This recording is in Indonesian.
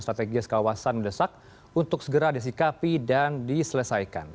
strategis kawasan mendesak untuk segera disikapi dan diselesaikan